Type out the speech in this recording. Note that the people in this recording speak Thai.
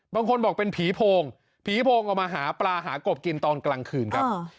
บางคนบอกเป็นผีโพงผีโพงออกมาหาปลาหากบกินตอนกลางคืนครับ